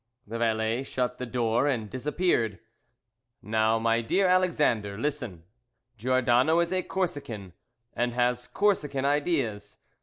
The valet shut the door and disappeared. "Now, my dear Alexander, listen. Giordano is a Corsican, and has Corsican ideas.